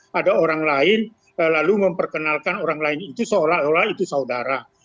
pada orang lain lalu memperkenalkan orang lain itu seolah olah itu saudara